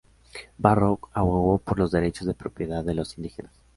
Barrow abogó por los derechos de propiedad de los indígenas.